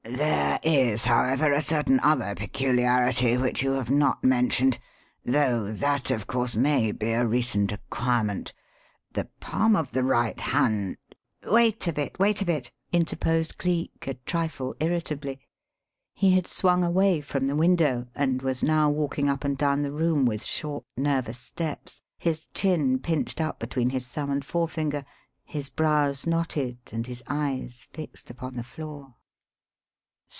There is, however, a certain other peculiarity which you have not mentioned, though that, of course, maybe a recent acquirement. The palm of the right hand " "Wait a bit! Wait a bit!" interposed Cleek, a trifle irritably. He had swung away from the window and was now walking up and down the room with short nervous steps, his chin pinched up between his thumb and forefinger, his brows knotted, and his eyes fixed upon the floor.